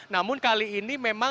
namun kali ini memang